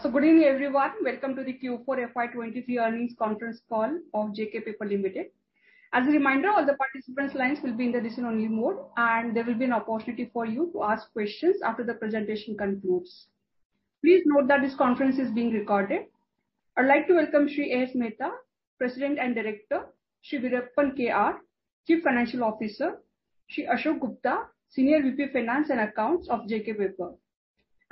So good evening, everyone. Welcome to the Q4 FY23 earnings conference call of JK Paper Limited. As a reminder, all the participants' lines will be in the listen-only mode, and there will be an opportunity for you to ask questions after the presentation concludes. Please note that this conference is being recorded. I'd like to welcome Shri AS Mehta, President and Director, Shri Veerappan KR, Chief Financial Officer, Shri Ashok Gupta, Senior VP Finance and Accounts of JK Paper.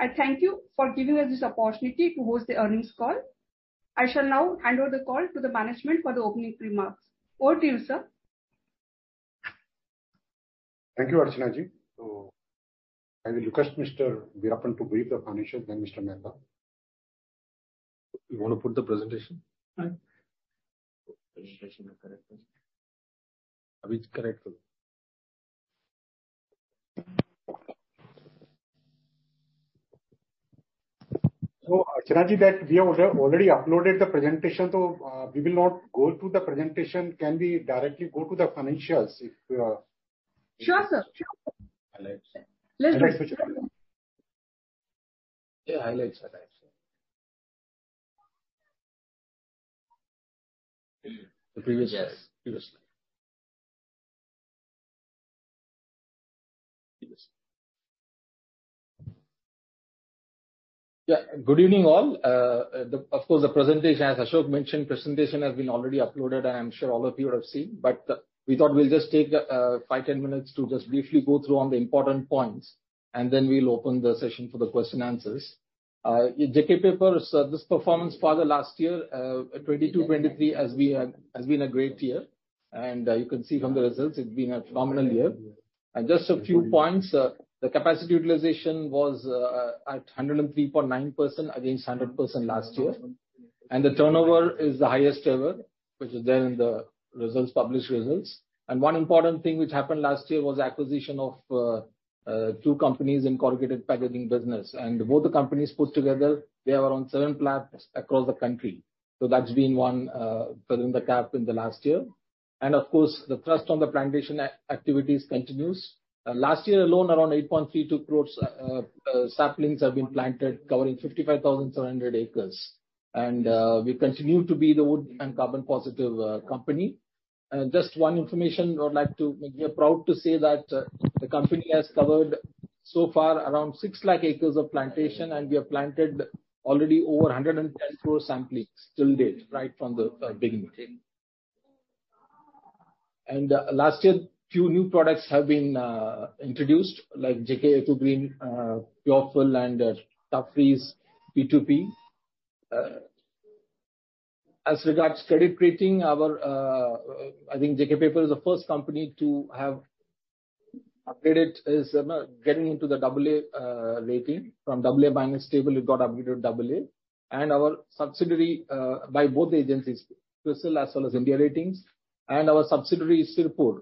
I thank you for giving us this opportunity to host the earnings call. I shall now hand over the call to the management for the opening remarks. Over to you, sir. Thank you, Archanaji. I will request Mr. Veerappan to brief the financials, then Mr. Mehta. You wanna put the presentation? Presentation incorrect. Now it's correct. Archanaji, that we have already uploaded the presentation, so we will not go through the presentation. Can we directly go to the financials if? Sure, sir. Sure. Highlights. Let's do it. Yeah, highlights are actually. The previous slide. Yes. Previous slide. Previous. Yeah, good evening all. Of course the presentation, as Ashok mentioned, presentation has been already uploaded. I am sure all of you have seen. We thought we'll just take 5, 10 minutes to just briefly go through on the important points, and then we'll open the session for the question answers. JK Papers, this performance for the last year, 2022, 2023, as we had, has been a great year. You can see from the results it's been a phenomenal year. Just a few points. The capacity utilization was at 103.9% against 100% last year. The turnover is the highest ever, which is there in the results, published results. One important thing which happened last year was acquisition of two companies in corrugated packaging business. Both the companies put together, they have around seven plants across the country. That's been one fill in the gap in the last year. Of course, the thrust on the plantation activities continues. Last year alone, around 8.32 crore saplings have been planted covering 55,700 acres. We continue to be the wood and carbon positive company. Just one information I would like to make. We are proud to say that the company has covered so far around 6 lakh acres of plantation, and we have planted already over 110 crore saplings till date, right from the beginning. Last year, few new products have been introduced, like JK Eco-green, Purefil and Tuff Freeze P2P. As regards credit rating, our, I think JK Paper is the first company to have upgraded, you know, getting into the AA rating. From AA- stable it got upgraded to AA. Our subsidiary, by both the agencies, CRISIL as well as India Ratings, and our subsidiary Sirpur,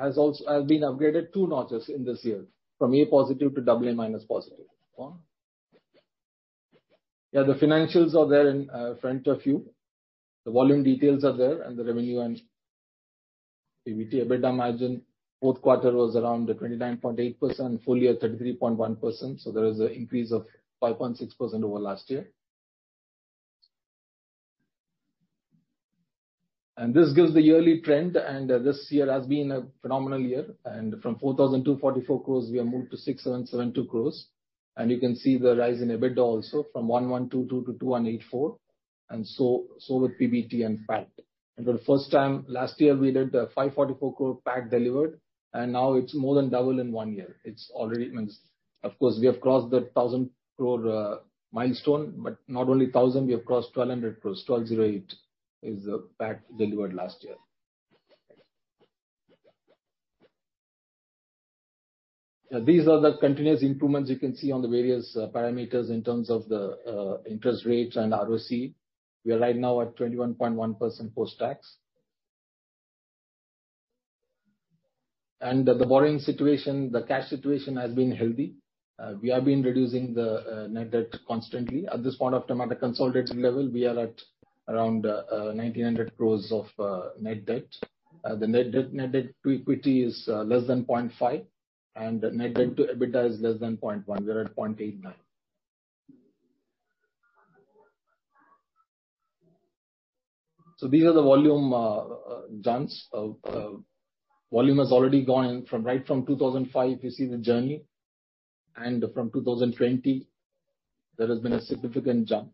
has also been upgraded 2 notches in this year, from A positive to AA- positive. The financials are there in front of you. The volume details are there. The revenue and PBT, EBITDA margin, fourth quarter was around 29.8%, full year 33.1%. There is an increase of 5.6% over last year. This gives the yearly trend, and this year has been a phenomenal year. From 4,244 crores we have moved to 6,772 crores. You can see the rise in EBITDA also from 1,122 crores to 2,184 crores. So, with PBT and PAT. For the first time last year we did 544 crore PAT delivered, and now it's more than double in one year. It's already means. Of course, we have crossed the 1,000 crore milestone. Not only 1,000, we have crossed 1,200 crores. 1,208 is the PAT delivered last year. These are the continuous improvements you can see on the various parameters in terms of the interest rates and ROC. We are right now at 21.1% post-tax. The borrowing situation, the cash situation has been healthy. We have been reducing the net debt constantly. At this point of time, at a consolidated level, we are at around 1,900 crores of net debt. The net debt to equity is less than 0.5, and net debt to EBITDA is less than 0.1. We are at 0.89. These are the volume jumps. Volume has already gone from, right from 2005 you see the journey. From 2020, there has been a significant jump.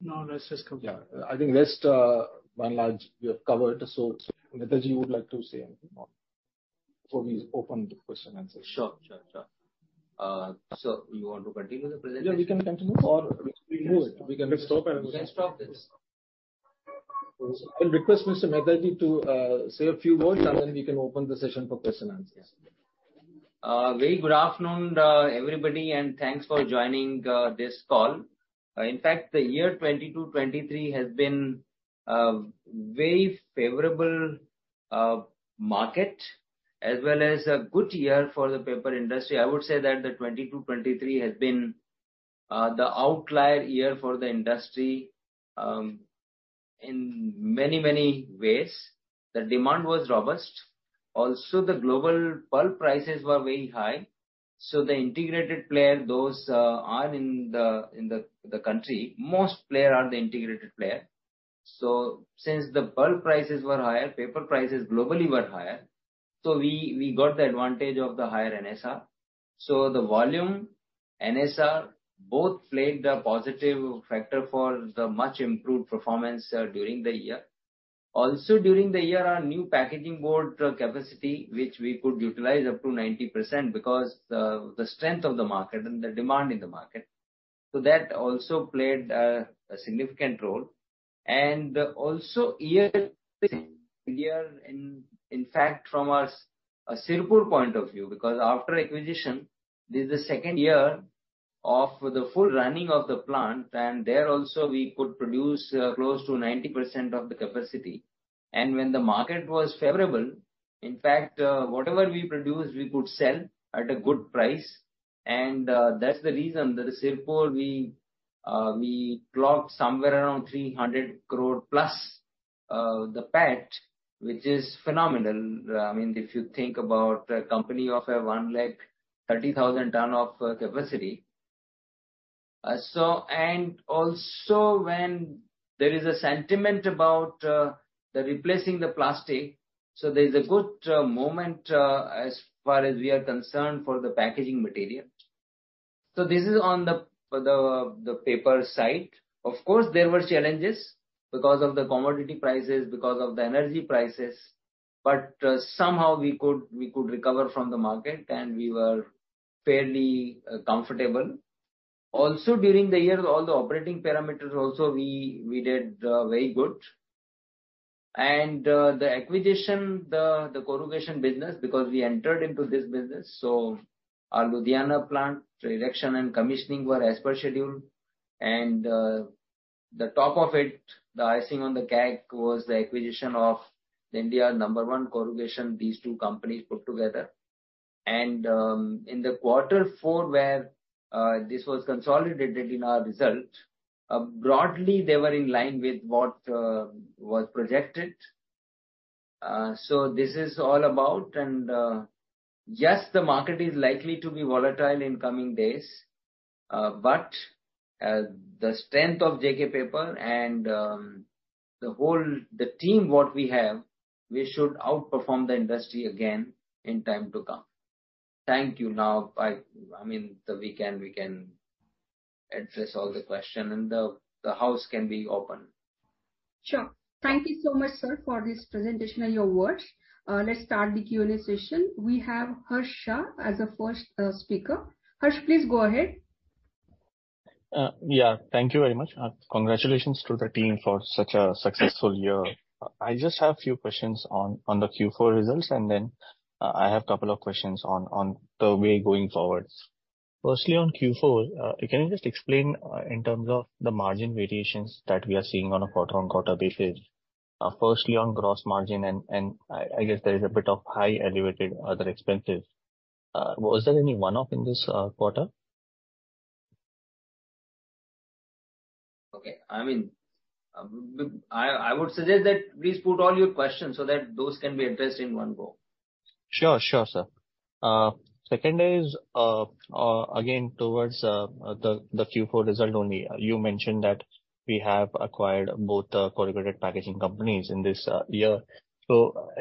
Yes. Now let's just compare. Yeah. I think rest, by and large, we have covered. Mehtaji, you would like to say anything more before we open the question answer? Sure, sure. You want to continue the presentation? Yeah, we can continue or we can do it. We can stop this. I'll request Mr. Mehtaji to say a few words, and then we can open the session for question answers. Very good afternoon, everybody, thanks for joining this call. In fact, the year 2022-2023 has been very favorable market as well as a good year for the paper industry. I would say that the 2022-2023 has been the outlier year for the industry in many, many ways. The demand was robust. The global pulp prices were very high. The integrated player, those are in the country, most player are the integrated player. Since the pulp prices were higher, paper prices globally were higher, we got the advantage of the higher NSR. The volume NSR both played a positive factor for the much improved performance during the year. During the year, our new packaging board capacity, which we could utilize up to 90% because the strength of the market and the demand in the market. That also played a significant role. Also year in fact from a Sirpur point of view, because after acquisition, this is the second year of the full running of the plant and there also we could produce close to 90% of the capacity. When the market was favorable, in fact, whatever we produced we could sell at a good price. That's the reason that at Sirpur we clocked somewhere around 300 crore plus the PAT, which is phenomenal. I mean, if you think about a company of a 130,000 ton of capacity. When there is a sentiment about replacing the plastic, so there is a good moment as far as we are concerned, for the packaging material. This is on the paper side. Of course, there were challenges because of the commodity prices, because of the energy prices, but somehow we could recover from the market and we were fairly comfortable. Also during the year, all the operating parameters also we did very good. The acquisition, the corrugation business, because we entered into this business, so our Ludhiana plant direction and commissioning were as per schedule. The top of it, the icing on the cake was the acquisition of the India number one corrugation, these two companies put together. In the quarter four where this was consolidated in our result, broadly they were in line with what was projected. This is all about and yes the market is likely to be volatile in coming days, but the strength of JK Paper and the team what we have, we should outperform the industry again in time to come. Thank you. Now I mean, we can address all the question and the house can be open. Sure. Thank you so much, sir, for this presentation and your words. Let's start the Q&A session. We have Harsh Shah as the first speaker. Harsh, please go ahead. Yeah. Thank you very much. Congratulations to the team for such a successful year. I just have few questions on the Q4 results and then, I have couple of questions on the way going forward. Firstly, on Q4, can you just explain, in terms of the margin variations that we are seeing on a quarter-on-quarter basis? Firstly on gross margin and I guess there is a bit of high elevated other expenses. Was there any one-off in this, quarter? Okay. I mean, I would suggest that please put all your questions so that those can be addressed in one go. Sure. Sure, sir. Second is, again, towards the Q4 result only. You mentioned that we have acquired both the corrugated packaging companies in this year.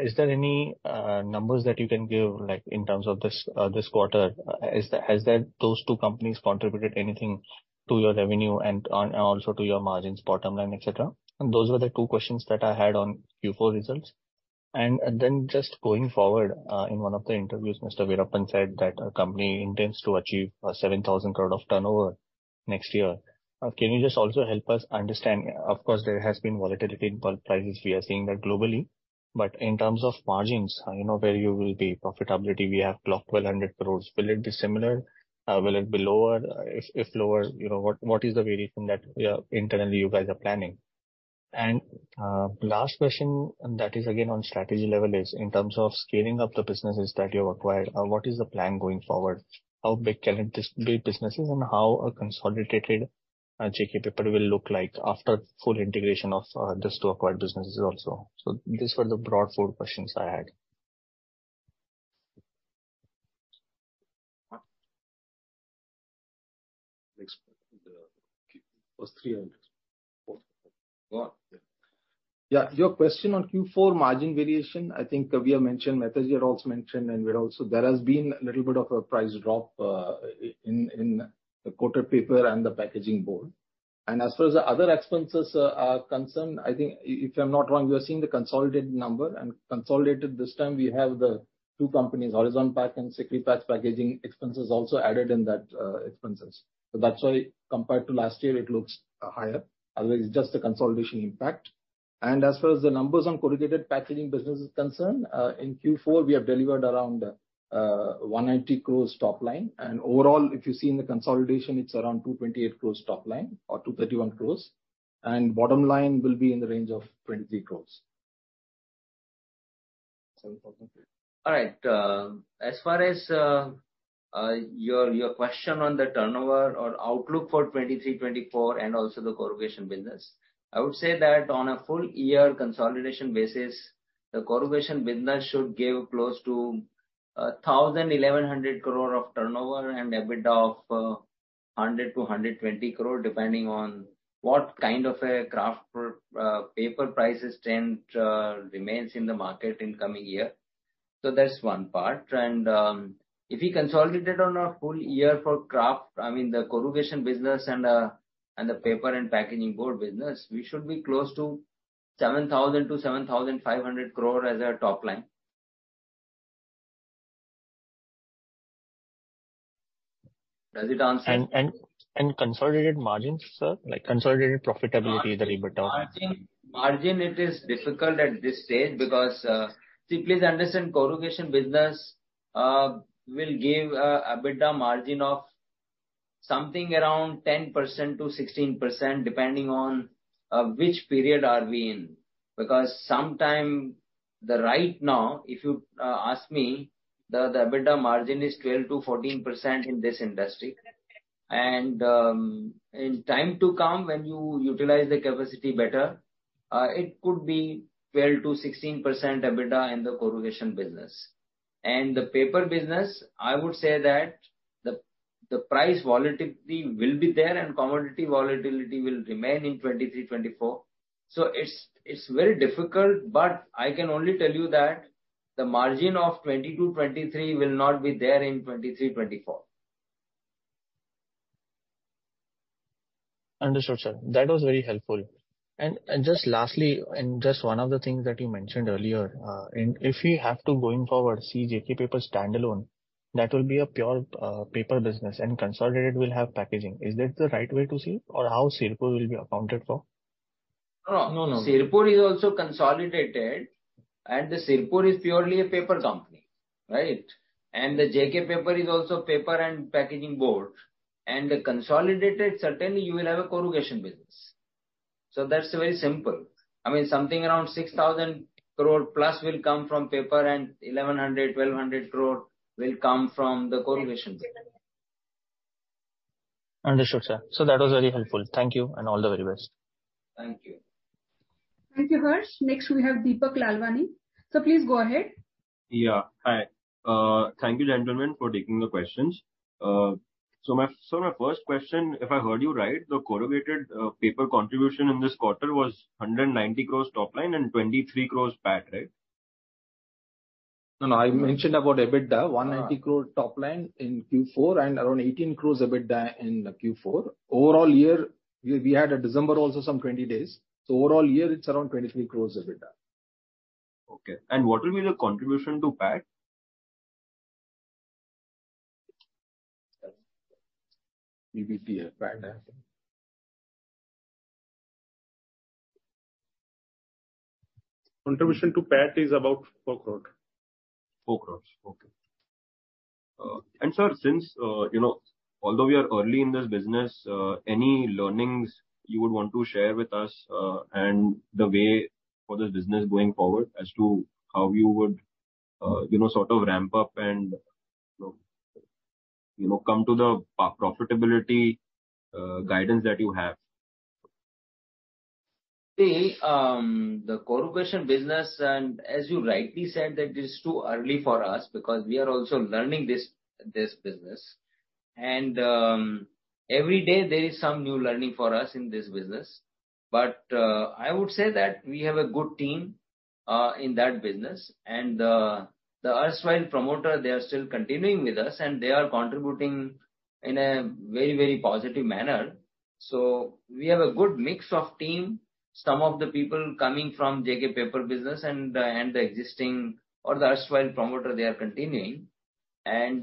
Is there any numbers that you can give, like in terms of this quarter? Has that, those two companies contributed anything to your revenue and also to your margins, bottom line, etcetera? Those were the two questions that I had on Q4 results. Just going forward, in one of the interviews, Mr. Veerappan said that our company intends to achieve a 7,000 crore of turnover next year. Can you just also help us understand, of course there has been volatility in bulk prices, we are seeing that globally, but in terms of margins, you know, where you will be profitability, we have clocked 1,200 crores. Will it be similar? Will it be lower? If, if lower, you know, what is the variation that internally you guys are planning? Last question, and that is again on strategy level is in terms of scaling up the businesses that you have acquired, what is the plan going forward? How big can it this be businesses and how a consolidated JK Paper will look like after full integration of these two acquired businesses also? These were the broad four questions I had. Yeah. Your question on Q4 margin variation, I think Kabir mentioned, Mehta ji also mentioned. There has been a little bit of a price drop in the coated paper and the packaging board. As far as the other expenses are concerned, I think if I'm not wrong, we are seeing the consolidated number. Consolidated this time we have the two companies, Horizon Packs and Securipax Packaging expenses also added in that expenses. That's why compared to last year it looks higher. Otherwise it's just the consolidation impact. As far as the numbers on corrugated packaging business is concerned, in Q4 we have delivered around 190 crores top line. Overall, if you see in the consolidation, it's around 228 crores top line or 231 crores. Bottom line will be in the range of 23 crore. All right. As far as your question on the turnover or outlook for 2023, 2024 and also the corrugation business. I would say that on a full year consolidation basis, the corrugation business should give close to 1,000-1,100 crore of turnover and EBITDA of 100-120 crore, depending on what kind of a kraft paper price remains in the market in coming year. That's one part. If we consolidate on a full year for kraft, I mean, the corrugation business and the paper and packaging board business, we should be close to 7,000-7,500 crore as our top line. Does it answer? Consolidated margins, sir, like consolidated profitability, the EBITDA. Margin, it is difficult at this stage because, see please understand, corrugation business will give EBITDA margin of something around 10%-16%, depending on which period are we in. Sometime the right now, if you ask me, the EBITDA margin is 12%-14% in this industry. In time to come, when you utilize the capacity better, it could be 12%-16% EBITDA in the corrugation business. The paper business, I would say that the price volatility will be there and commodity volatility will remain in 2023, 2024. It's very difficult, but I can only tell you that the margin of 2022, 2023 will not be there in 2023, 2024. Understood, sir. That was very helpful. Just lastly, one of the things that you mentioned earlier, if we have to going forward see JK Paper standalone, that will be a pure paper business and consolidated will have packaging. Is that the right way to see or how Sirpur will be accounted for? No, no. Sirpur is also consolidated, and the Sirpur is purely a paper company, right? The JK Paper is also paper and packaging board. The consolidated, certainly you will have a corrugation business. That's very simple. I mean, something around 6,000 crore plus will come from paper and 1,100-1,200 crore will come from the corrugation business. Understood, sir. That was very helpful. Thank you and all the very best. Thank you. Thank you, Harsh. Next we have Deepak Lalwani. Please go ahead. Yeah. Hi. Thank you gentlemen for taking the questions. So my first question, if I heard you right, the corrugated paper contribution in this quarter was 190 crore top line and 23 crore PAT, right? No, no. I mentioned about EBITDA. 190 crore top line in Q4 around 18 crores EBITDA in Q4. Overall year, we had a December also some 20 days. overall year it's around 23 crores EBITDA. Okay. What will be the contribution to PAT? EBITDA, PAT. Contribution to PAT is about 4 crore. 4 crores. Okay. Sir, since, you know, although we are early in this business, any learnings you would want to share with us, and the way for this business going forward as to how you would, you know, sort of ramp up and, you know, come to the profitability guidance that you have? See, the corrugation business as you rightly said, that it is too early for us because we are also learning this business. Every day there is some new learning for us in this business. I would say that we have a good team in that business. The erstwhile promoter, they are still continuing with us and they are contributing in a very, very positive manner. We have a good mix of team. Some of the people coming from JK Paper business and the existing or the erstwhile promoter, they are continuing.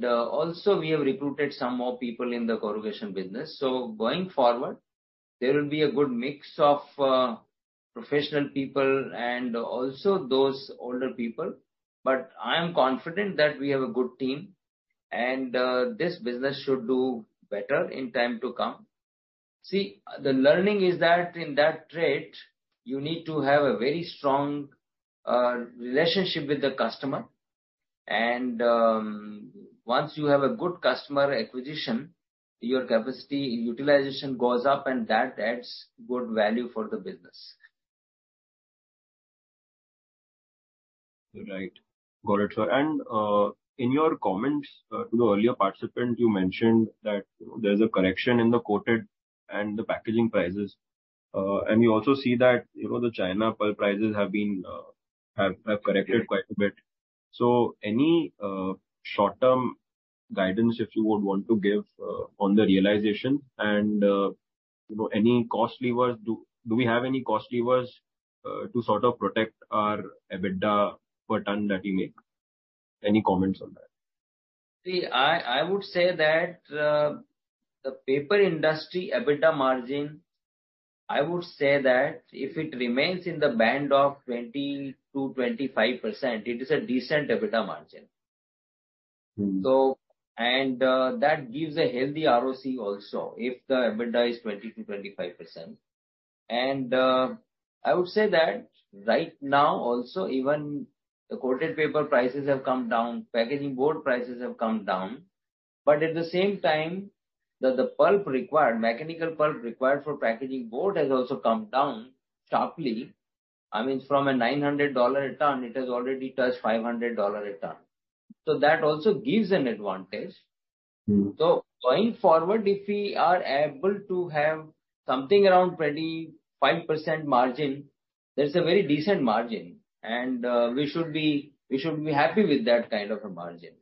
Also we have recruited some more people in the corrugation business. Going forward, there will be a good mix of professional people and also those older people. I am confident that we have a good team and this business should do better in time to come. See, the learning is that in that trade you need to have a very strong relationship with the customer. Once you have a good customer acquisition, your capacity utilization goes up and that adds good value for the business. Right. Got it, sir. In your comments to the earlier participant, you mentioned that there's a correction in the coated and the packaging prices. We also see that, you know, the China pulp prices have corrected quite a bit. Any short-term guidance if you would want to give on the realization and, you know, any cost levers. Do we have any cost levers to sort of protect our EBITDA per ton that we make? Any comments on that? I would say that the paper industry EBITDA margin, I would say that if it remains in the band of 20%-25%, it is a decent EBITDA margin. That gives a healthy ROC also, if the EBITDA is 20%-25%. I would say that right now also, even the coated paper prices have come down, packaging board prices have come down, but at the same time, the pulp required, mechanical pulp required for packaging board has also come down sharply. I mean, from a $900 a ton, it has already touched $500 a ton. That also gives an advantage. Mm-hmm. Going forward, if we are able to have something around 25% margin, that's a very decent margin. We should be happy with that kind of a margin.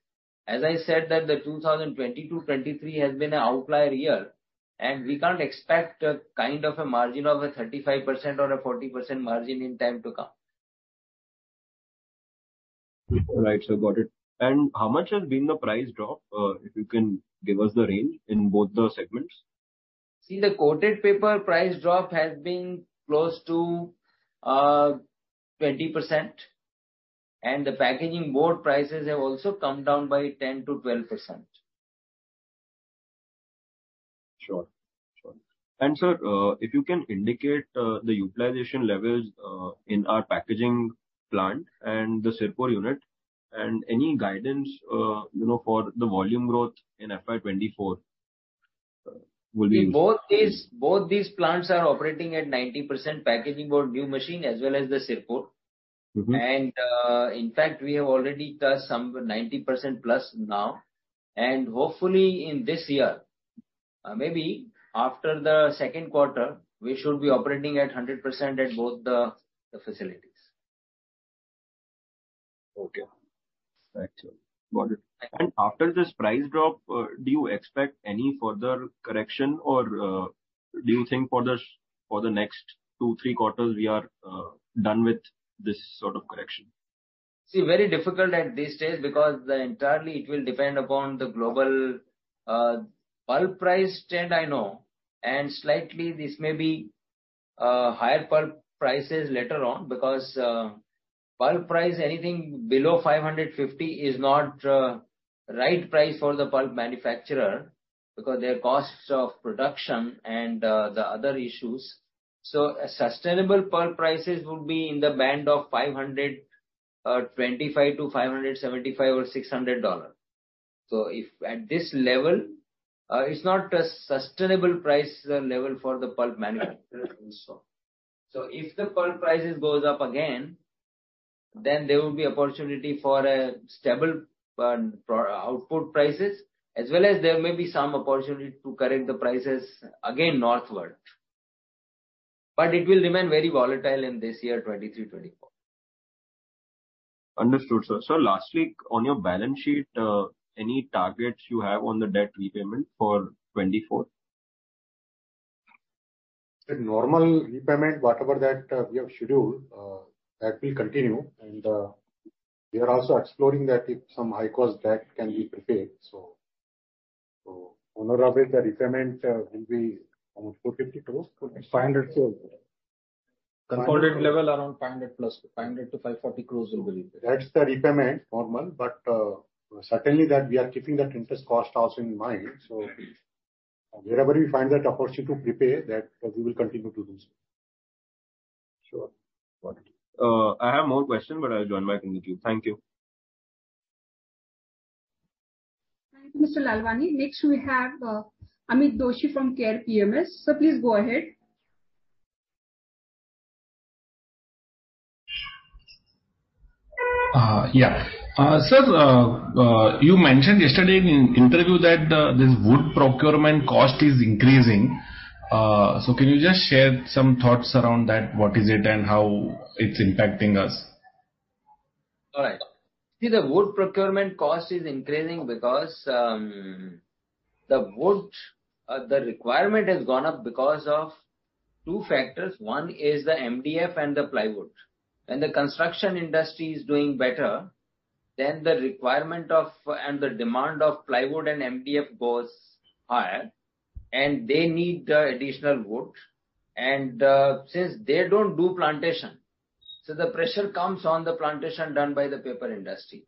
As I said that the 2022 to 2023 has been an outlier year, and we can't expect a kind of a margin of a 35% or a 40% margin in time to come. Right. Got it. How much has been the price drop? If you can give us the range in both the segments. The coated paper price drop has been close to 20%. The packaging board prices have also come down by 10%-12%. Sure. Sure. Sir, if you can indicate, the utilization levels, in our packaging plant and the Sirpur unit and any guidance, you know, for the volume growth in FY 2024. In both these plants are operating at 90% packaging board new machine as well as the Sirpur. Mm-hmm. In fact, we have already touched some 90%+ now. Hopefully in this year, maybe after the second quarter, we should be operating at 100% at both the facilities. Okay. Right. Got it. After this price drop, do you expect any further correction or, do you think for the next two, three quarters we are done with this sort of correction? See, very difficult at this stage because entirely it will depend upon the global pulp price trend, I know. Slightly this may be higher pulp prices later on because pulp price anything below $550 is not right price for the pulp manufacturer because their costs of production and the other issues. A sustainable pulp prices would be in the band of $525-$575 or $600. If at this level, it's not a sustainable price level for the pulp manufacturer also. If the pulp prices goes up again, then there will be opportunity for a stable pro- output prices, as well as there may be some opportunity to correct the prices again northward. It will remain very volatile in this year, 2023, 2024. Understood, sir. Sir, lastly, on your balance sheet, any targets you have on the debt repayment for 2024? The normal repayment, whatever that, we have scheduled, that will continue. We are also exploring that if some high cost debt can be prepaid. On an average, the repayment will be almost 250 crores. INR 250. 500 crores. Consolidated level around 500+. 500 crores - 540 crores will be repaid. That's the repayment normal. Certainly that we are keeping that interest cost also in mind. Wherever we find that opportunity to prepay that, we will continue to do so. Sure. Got it. I have more question, but I'll join back in the queue. Thank you. Thank you, Mr. Lalwani. Next we have, Amit Doshi from Care PMS. Sir, please go ahead. Yeah. Sir, you mentioned yesterday in an interview that this wood procurement cost is increasing. Can you just share some thoughts around that? What is it and how it's impacting us? All right. See, the wood procurement cost is increasing because the wood requirement has gone up because of two factors. One is the MDF and the plywood. When the construction industry is doing better, then the requirement of and the demand of plywood and MDF goes higher, and they need the additional wood, and since they don't do plantation, the pressure comes on the plantation done by the paper industry.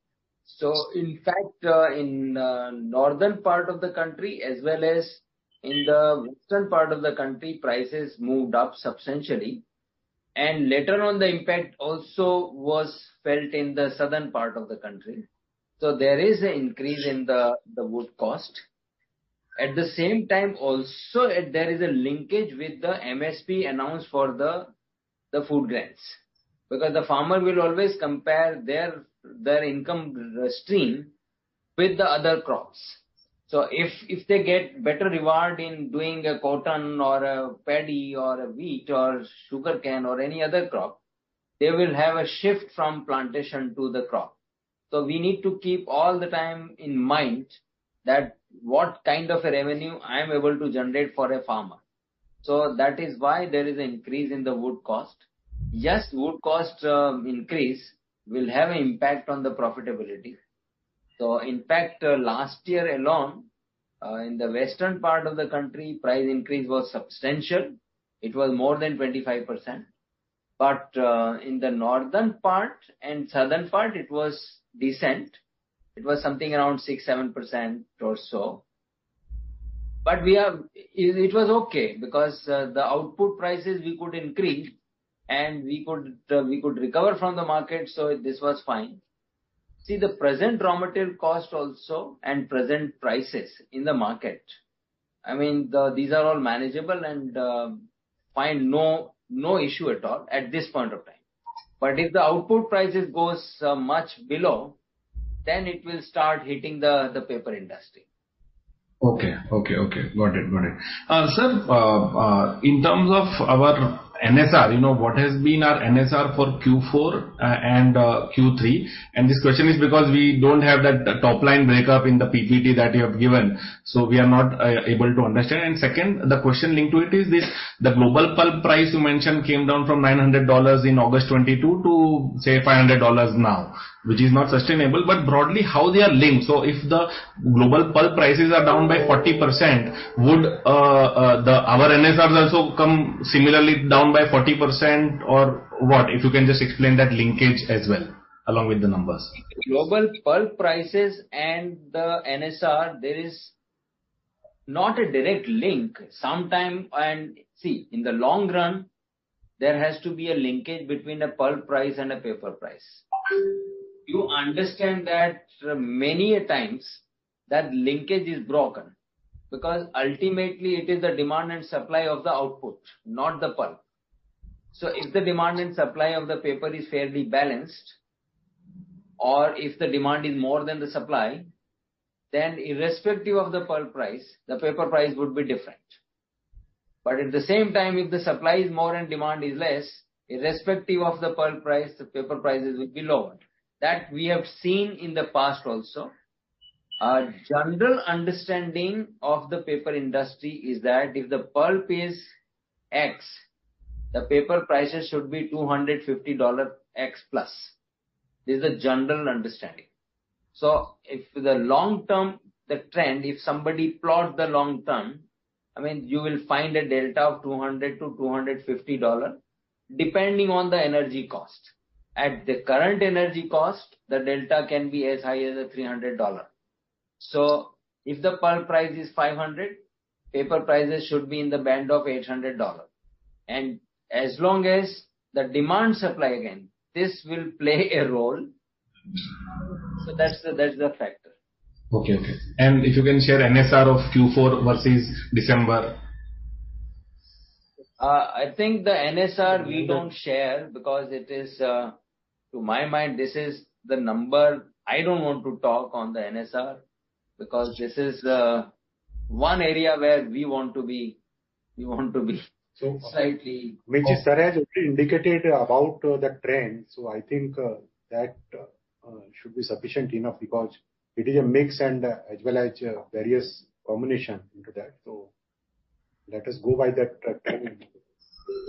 In fact, in northern part of the country as well as in the western part of the country, prices moved up substantially. Later on, the impact also was felt in the southern part of the country. There is an increase in the wood cost. At the same time also, there is a linkage with the MSP announced for the food grains. Because the farmer will always compare their income stream with the other crops. If they get better reward in doing a cotton or a paddy or a wheat or sugarcane or any other crop, they will have a shift from plantation to the crop. We need to keep all the time in mind that what kind of a revenue I am able to generate for a farmer. That is why there is an increase in the wood cost. Yes, wood cost, increase will have impact on the profitability. In fact, last year alone, in the western part of the country, price increase was substantial. It was more than 25%. In the northern part and southern part, it was decent. It was something around 6%, 7% or so. We are... It was okay, because the output prices we could increase and we could recover from the market. This was fine. See the present raw material cost also and present prices in the market, I mean, these are all manageable and fine. No issue at all at this point of time. If the output prices goes much below, it will start hitting the paper industry. Okay. Got it. Got it. Sir, in terms of our NSR, you know, what has been our NSR for Q4 and Q3? This question is because we don't have that top line breakup in the PPT that you have given, so we are not able to understand. Second, the question linked to it is this. The global pulp price you mentioned came down from $900 in August 2022 to say $500 now, which is not sustainable, but broadly how they are linked. If the global pulp prices are down by 40%, would our NSRs also come similarly down by 40% or what? If you can just explain that linkage as well, along with the numbers. Global pulp prices and the NSR, there is not a direct link. Sometime. See, in the long run, there has to be a linkage between a pulp price and a paper price. You understand that many a times that linkage is broken because ultimately it is the demand and supply of the output, not the pulp. If the demand and supply of the paper is fairly balanced, or if the demand is more than the supply, then irrespective of the pulp price, the paper price would be different. At the same time, if the supply is more and demand is less, irrespective of the pulp price, the paper prices will be lower. That we have seen in the past also. Our general understanding of the paper industry is that if the pulp is X, the paper prices should be $250 x plus. This is a general understanding. If the long term, the trend, if somebody plot the long term, I mean, you will find a delta of $200-$250 depending on the energy cost. At the current energy cost, the delta can be as high as $300. If the pulp price is $500, paper prices should be in the band of $800. As long as the demand supply again, this will play a role. That's the factor. Okay. Okay. If you can share NSR of Q4 versus December? I think the NSR we don't share because it is to my mind, this is the number I don't want to talk on the NSR, because this is one area where we want to be slightly. Which Saroj also indicated about the trend. I think that should be sufficient enough because it is a mix and as well as various combination into that. Let us go by that trend. Sure.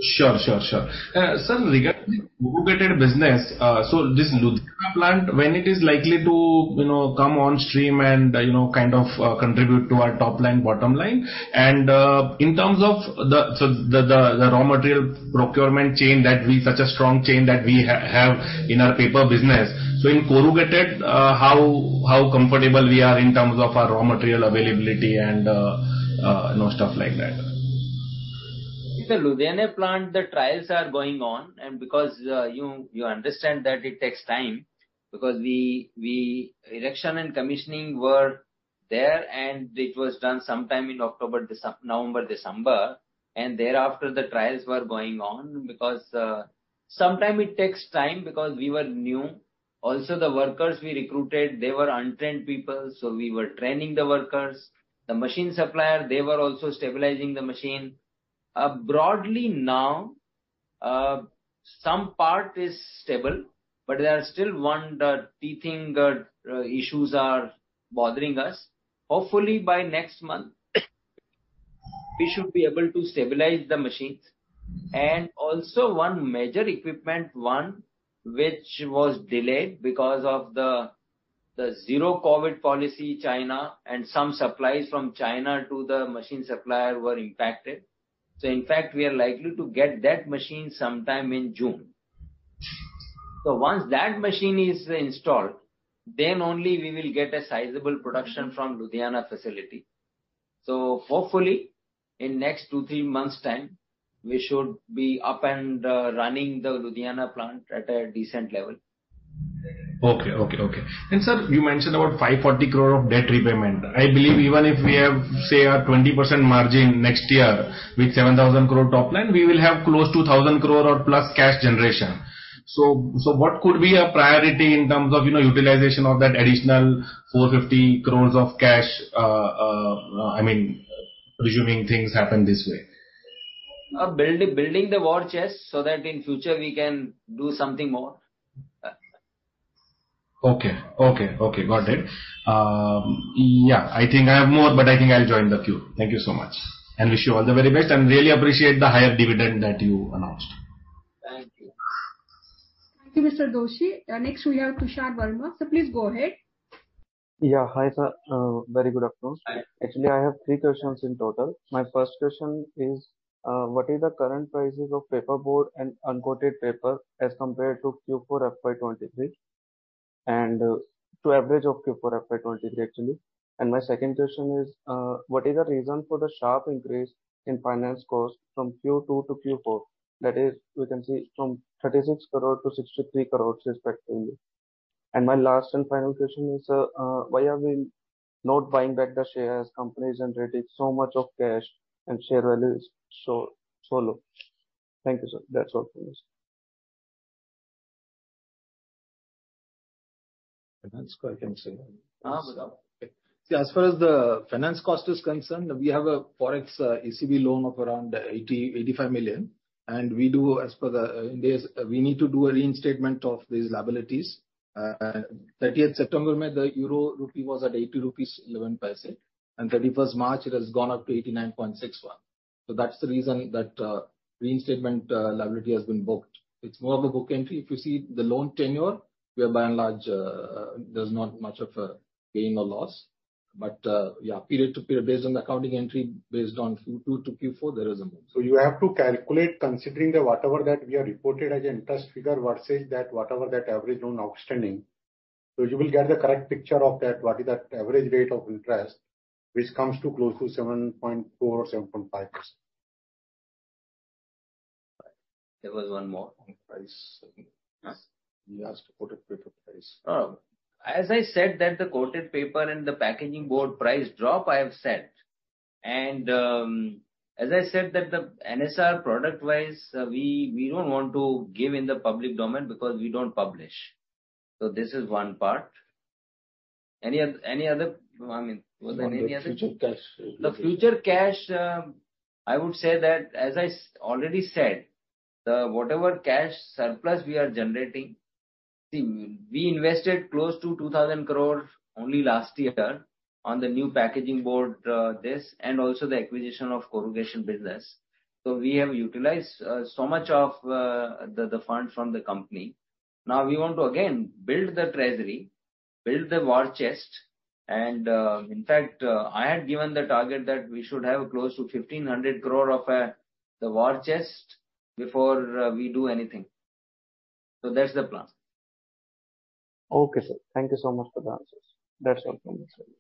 Sure, sure. Sir, regarding corrugated business, this Ludhiana plant, when it is likely to, you know, come on stream and, you know, kind of, contribute to our top line, bottom line. In terms of the... so the raw material procurement chain that we... such a strong chain that we have in our paper business. In corrugated, how comfortable we are in terms of our raw material availability and, you know, stuff like that? In the Ludhiana plant, the trials are going on because you understand that it takes time because erection and commissioning were there. It was done sometime in October, November, December. Thereafter, the trials were going on because sometimes it takes time because we were new. Also the workers we recruited, they were untrained people. We were training the workers. The machine supplier, they were also stabilizing the machine. Broadly now, some part is stable. There are still the teething issues bothering us. Hopefully by next month, we should be able to stabilize the machines. Also one major equipment which was delayed because of the zero-COVID policy China. Some supplies from China to the machine supplier were impacted. In fact, we are likely to get that machine sometime in June. Once that machine is installed, then only we will get a sizable production from Ludhiana facility. Hopefully in next 2, 3 months' time, we should be up and running the Ludhiana plant at a decent level. Okay. Okay, okay. Sir, you mentioned about 540 crore of debt repayment. I believe even if we have, say, a 20% margin next year with 7,000 crore top line, we will have close to 1,000 crore or plus cash generation. So what could be a priority in terms of, you know, utilization of that additional 450 crore of cash? I mean, presuming things happen this way. Building the war chest so that in future we can do something more. Okay. Okay, okay. Got it. Yeah, I think I have more, but I think I'll join the queue. Thank you so much, and wish you all the very best, and really appreciate the higher dividend that you announced. Thank you. Thank you, Mr. Doshi. Next we have Tushar Verma. Sir, please go ahead. Yeah. Hi, sir. Very good afternoon. Hi. Actually, I have three questions in total. My first question is, what is the current prices of paper board and uncoated paper as compared to Q4 FY 23, to average of Q4 FY 23 actually. My second question is, what is the reason for the sharp increase in finance costs from Q2 to Q4? That is, we can see from 36 crore to 63 crore respectively. My last and final question is, sir, why are we not buying back the shares? Company is generating so much of cash and share value is so low. Thank you, sir. That's all for me, sir. Finance cost I can say. Go on. See, as far as the finance cost is concerned, we have a Forex ECB loan of around 80-85 million, and we do as per the We need to do a reinstatement of these liabilities. 30 at September the Euro rupee was at 80 rupees 11 paise, and 31st March it has gone up to 89.61. That's the reason that reinstatement liability has been booked. It's more of a book entry. If you see the loan tenure, we are by and large, there's not much of a gain or loss. Yeah, period to period based on accounting entry, based on Q2 to Q4, there is a book. You have to calculate considering the whatever that we have reported as interest figure versus that whatever that average loan outstanding. You will get the correct picture of that, what is that average rate of interest, which comes to close to 7.4 or 7.5. Right. There was one more on price. Yes. He asked coated paper price. As I said that the coated paper and the packaging board price drop, I have said. As I said that the NSR product wise, we don't want to give in the public domain because we don't publish. This is one part. Any other, I mean, was there any other- Future cash. The future cash, I would say that, as I already said, whatever cash surplus we are generating, see, we invested close to 2,000 crore only last year on the new packaging board, this, and also the acquisition of corrugation business. We have utilized so much of the funds from the company. We want to again build the treasury, build the war chest and, in fact, I had given the target that we should have close to 1,500 crore of the war chest before we do anything. That's the plan. Okay, sir. Thank you so much for the answers. That's all from my side.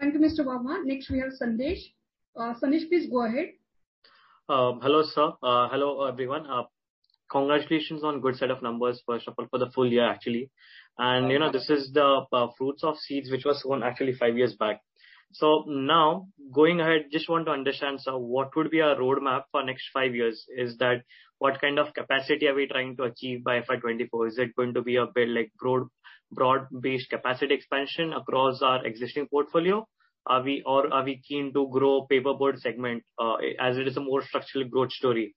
Thank you, Mr. Verma. Next we have Sandesh. Sandesh, please go ahead. Hello, sir. Hello everyone. Congratulations on good set of numbers, first of all, for the full year actually. You know, this is the fruits of seeds which was sown actually 5 years back. Now going ahead, just want to understand, sir, what would be our roadmap for next 5 years. Is that what kind of capacity are we trying to achieve by FY 2024? Is it going to be a bit like broad-based capacity expansion across our existing portfolio? Are we, or are we keen to grow paperboard segment, as it is a more structural growth story?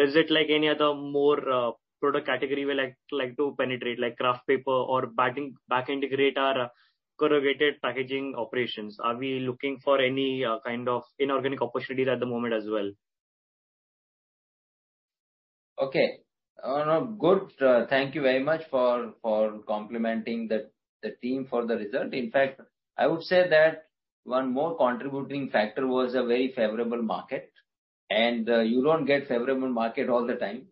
Is it like any other more product category we like to penetrate, like kraft paper or back integrate our corrugated packaging operations? Are we looking for any kind of inorganic opportunities at the moment as well? Okay. No, good. Thank you very much for complimenting the team for the result. In fact, I would say that one more contributing factor was a very favorable market, and you don't get favorable market all the time.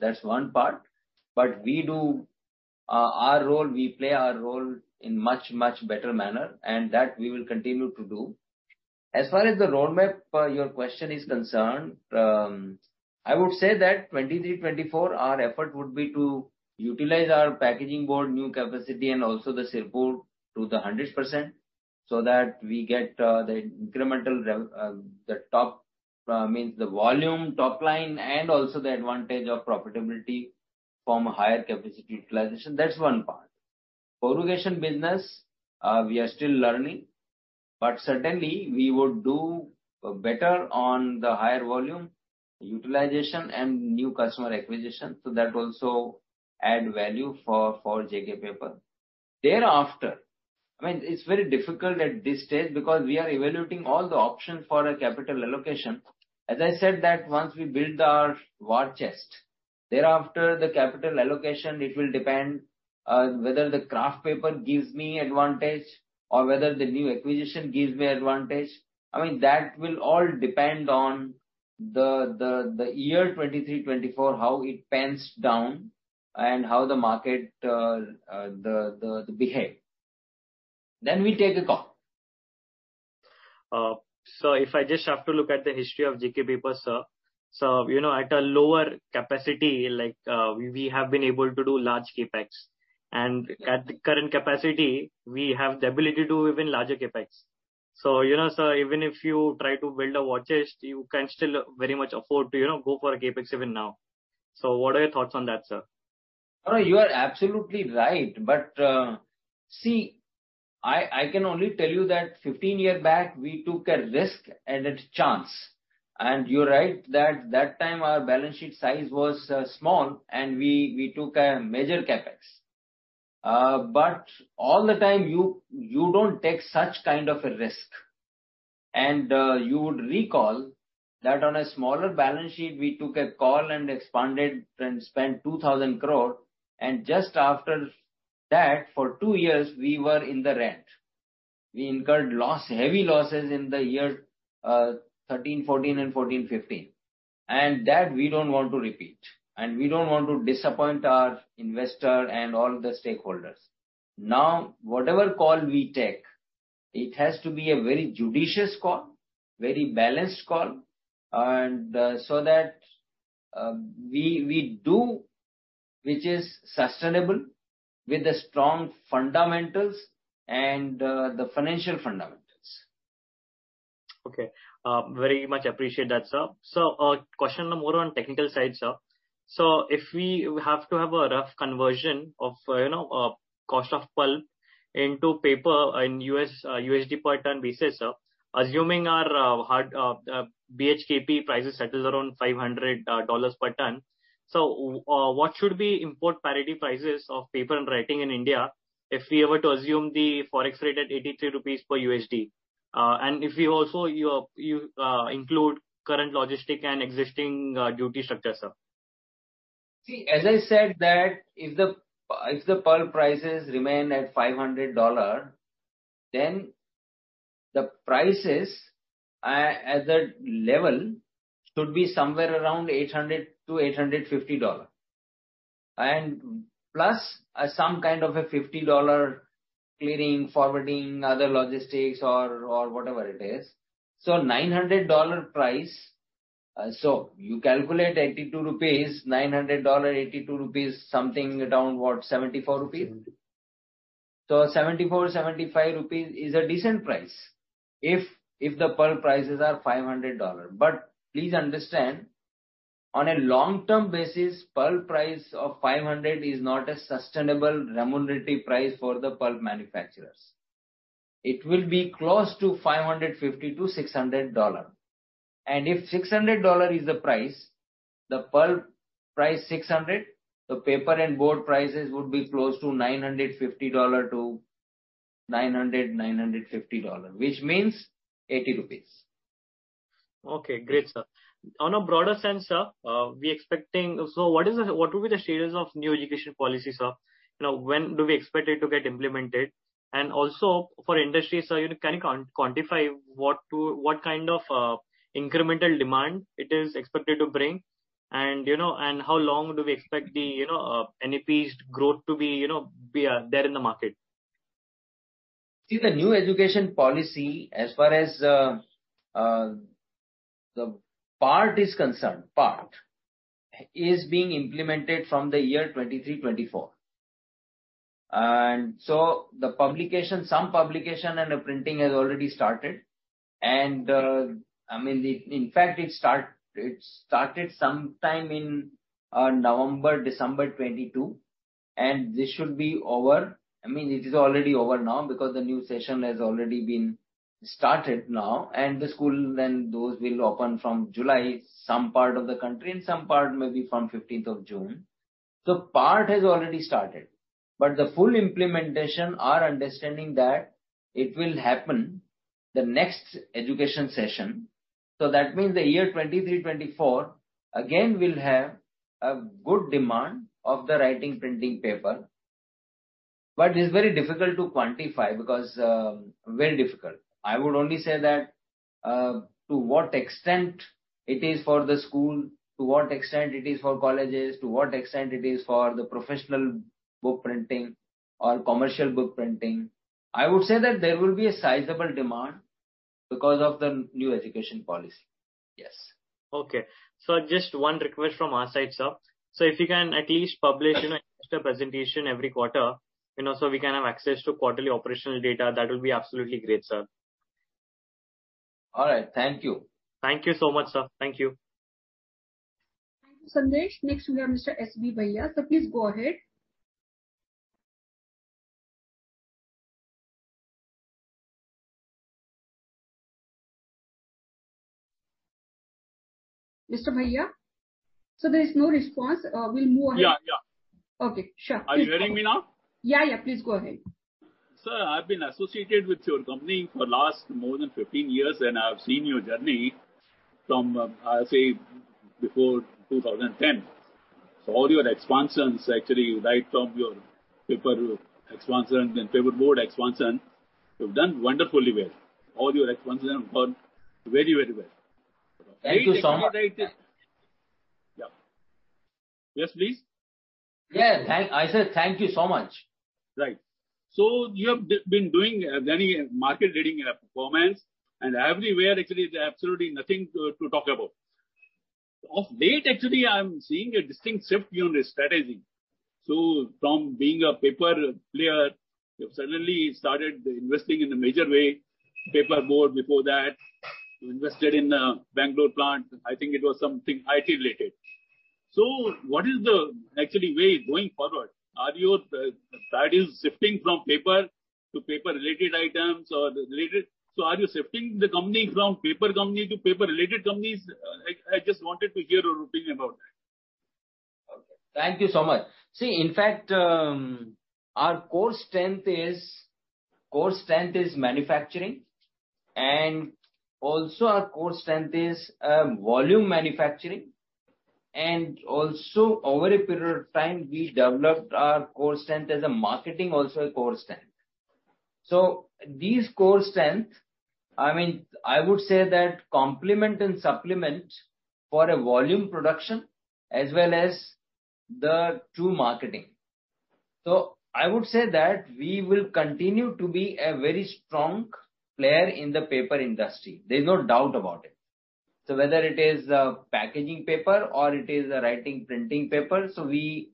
That's one part. We do our role, we play our role in much, much better manner, and that we will continue to do. As far as the roadmap, your question is concerned, I would say that 2023, 2024, our effort would be to utilize our packaging board new capacity and also the Sirpur to the 100% so that we get the incremental the top means the volume, top line, and also the advantage of profitability from a higher capacity utilization. That's one part. Corrugation business, we are still learning. Certainly we would do better on the higher volume utilization and new customer acquisition, so that also add value for JK Paper. Thereafter, I mean, it's very difficult at this stage because we are evaluating all the options for a capital allocation. As I said that once we build our war chest, thereafter the capital allocation, it will depend whether the kraft paper gives me advantage or whether the new acquisition gives me advantage. I mean, that will all depend on the year 2023, 2024, how it pans down and how the market behave. We take a call. If I just have to look at the history of JK Paper, sir. You know, at a lower capacity, like, we have been able to do large CapEx. At the current capacity, we have the ability to do even larger CapEx. You know, sir, even if you try to build a war chest, you can still very much afford to, you know, go for a CapEx even now. What are your thoughts on that, sir? No, you are absolutely right. I can only tell you that 15 years back we took a risk and a chance. You're right that that time our balance sheet size was small and we took a major CapEx. All the time you don't take such kind of a risk. You would recall that on a smaller balance sheet we took a call and expanded and spent 2,000 crore. Just after that, for two years we were in the red. We incurred loss, heavy losses in the year 2013-2014 and 2014-2015. That we don't want to repeat, and we don't want to disappoint our investor and all the stakeholders. Whatever call we take, it has to be a very judicious call, very balanced call, and so that, we do which is sustainable with the strong fundamentals and, the financial fundamentals. Okay. Very much appreciate that, sir. Question more on technical side, sir. If we have to have a rough conversion of, you know, cost of pulp into paper in US, USD per ton basis, sir, assuming our hard BHKP prices settles around $500 per ton. What should we import parity prices of paper and writing in India if we were to assume the Forex rate at 83 rupees per USD? If you also, you include current logistic and existing duty structure, sir. As I said that if the pulp prices remain at $500, then the prices at that level should be somewhere around $800-$850. Plus some kind of a $50 clearing, forwarding, other logistics or whatever it is. $900 price. You calculate 82 rupees, $900, 82 rupees, something around what? 74 rupees. 74-75 rupees is a decent price if the pulp prices are $500. Please understand, on a long-term basis, pulp price of $500 is not a sustainable remunerative price for the pulp manufacturers. It will be close to $550-$600. If $600 is the price, the pulp price $600, the paper and board prices would be close to $950 to $900, $950, which means 80 rupees. Okay, great, sir. On a broader sense, sir, we expecting... What will be the stages of New Education Policy, sir? You know, when do we expect it to get implemented? Also for industry, sir, you know, can you quantify what to, what kind of incremental demand it is expected to bring? How long do we expect the, you know, NEP's growth to be, you know, be there in the market? See the new education policy as far as the part is concerned, part is being implemented from the year 2023, 2024. The publication, some publication and the printing has already started. I mean, in fact, it started sometime in November, December 2022, and this should be over. I mean, it is already over now because the new session has already been started now, the school then those will open from July, some part of the country, and some part maybe from 15th of June. Part has already started, but the full implementation are understanding that it will happen the next education session. That means the year 2023, 2024 again will have a good demand of the writing printing paper. It's very difficult to quantify because very difficult. I would only say that, to what extent it is for the school, to what extent it is for colleges, to what extent it is for the professional book printing or commercial book printing. I would say that there will be a sizable demand because of the New Education Policy. Yes. Okay. Just one request from our side, sir. If you can at least publish an investor presentation every quarter, you know, so we can have access to quarterly operational data, that will be absolutely great, sir. All right. Thank you. Thank you so much, sir. Thank you. Thank you, Sandesh. Next we have Mr. S. B. Bhaiya. Sir, please go ahead. Mr. Bhaiya? Sir, there is no response. We'll move ahead. Yeah, yeah. Okay, sure. Are you hearing me now? Yeah, please go ahead. Sir, I've been associated with your company for last more than 15 years, and I've seen your journey from, say before 2010. All your expansions actually right from your paper expansion and paper board expansion, you've done wonderfully well. All your expansions have gone very, very well. Thank you so much. Yeah. Yes, please. Yeah. I said thank you so much. Right. You have been doing very market-leading performance and everywhere actually there's absolutely nothing to talk about. Of late actually I'm seeing a distinct shift in your strategy. From being a paper player, you have suddenly started investing in a major way, paper board before that. You invested in a Bangalore plant. I think it was something IT related. What is the actually way going forward? Are your strategies shifting from paper to paper-related items or related? Are you shifting the company from paper company to paper-related companies? I just wanted to hear your opinion about that. Thank you so much. In fact, our core strength is manufacturing, also our core strength is volume manufacturing. Also over a period of time, we developed our core strength as a marketing also a core strength. These core strength, I mean, I would say that complement and supplement for a volume production as well as the two marketing. I would say that we will continue to be a very strong player in the paper industry. There's no doubt about it. Whether it is packaging paper or it is a writing printing paper, so we